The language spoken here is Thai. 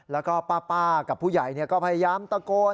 แล้วก็ป้ากับผู้ใหญ่ก็พยายามตะโกน